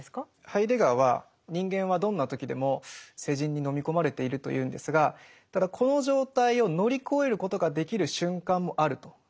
ハイデガーは人間はどんな時でも世人に飲み込まれているというんですがただこの状態を乗り越えることができる瞬間もあるというふうに言うんですね。